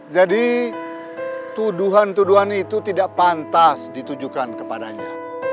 jadi tuduhan tuduhan itu tidak pantas ditujukan kepadanya